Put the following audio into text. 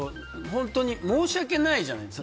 本当に申し訳ないじゃない。